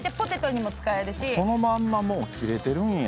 そのまんまもう切れてるんや。